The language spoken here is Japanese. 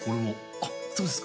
あっそうですか。